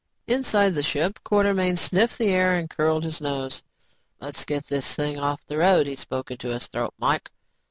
Inside the ship, Quartermain sniffed the air and curled his nose. "Let's get this thing on the road," he spoke into his throat mike.